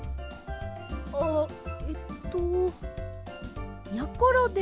あっえっとやころです。